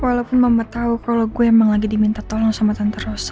walaupun mama tahu kalau gue emang lagi diminta tolong sama tante rosa